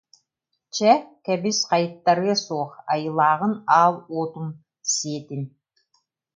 «Чэ, кэбис хайыттарыа суох, айылааҕын аал уотум сиэтин